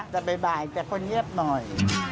แต่บ่ายแต่คนเงียบหน่อย